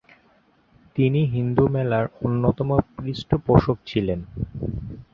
তিনি হিন্দু মেলার অন্যতম পৃষ্ঠপোষক ছিলেন।